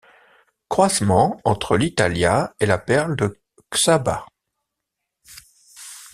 Croisement entre l'italia et la perle de Csaba.